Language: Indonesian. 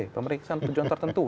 pemeriksaan tujuan tertentu